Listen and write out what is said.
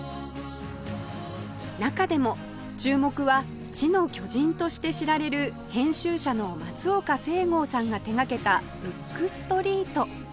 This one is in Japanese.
中でも注目は「知の巨人」として知られる編集者の松岡正剛さんが手掛けたブックストリート